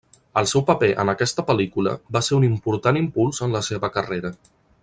El seu paper en aquesta pel·lícula va ser un important impuls en la seva carrera.